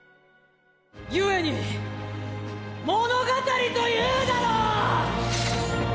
故に物語というだろう。